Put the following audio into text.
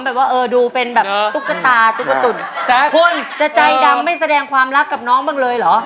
แบบว่าเออดูเป็นแบบตุ๊กตาตุ๊กตุ๋นคุณจะใจดำไม่แสดงความรักกับน้องบ้างเลยเหรอ